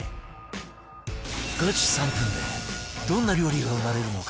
ガチ３分でどんな料理が生まれるのか？